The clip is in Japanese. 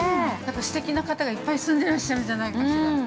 ◆すてきな方がいっぱい住んでいらっしゃるんじゃないかしら。